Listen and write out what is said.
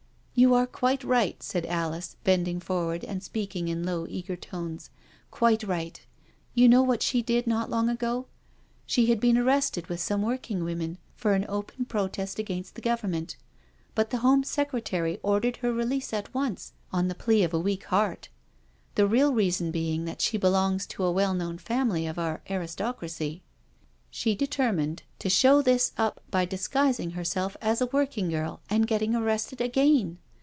'^" You are quite right," said Alice, bending forward and speaking in low eager tones, " quite right. You know what she did not long ago? She had been ar rested with some working women for an open protest against the Government, but the Home Secretary or dered her release at once on the plea of a weak heart, the real reason being that she belongs to a well known family of our aristocracy. She determined to show this up by disguising herself as a workgirl, and getting arrested again.